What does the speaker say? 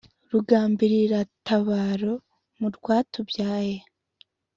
Rugambirira-tabaro mu rwatubyaye